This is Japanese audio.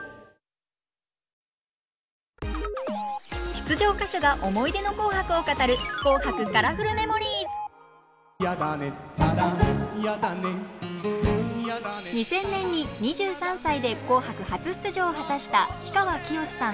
出場歌手が思い出の「紅白」を語る２０００年に２３歳で「紅白」初出場を果たした氷川きよしさん。